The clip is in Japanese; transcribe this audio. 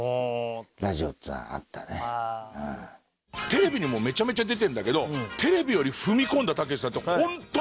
テレビにもめちゃめちゃ出てるんだけどテレビより踏み込んだたけしさんって本当に危ないから。